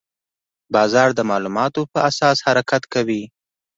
بازار د معلوماتو په اساس حرکت کوي.